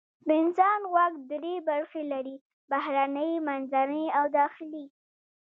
د انسان غوږ درې برخې لري: بهرنی، منځنی او داخلي.